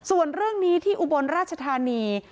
ส่วนเรื่องนี้ที่อุบลราชธานี